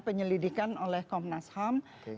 penyelidikan oleh komnas ham